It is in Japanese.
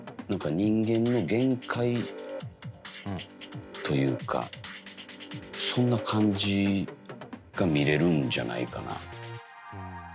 人間の限界というかそんな感じが見れるんじゃないかな。